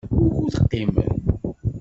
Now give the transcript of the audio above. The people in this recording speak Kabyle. Wukud qimen?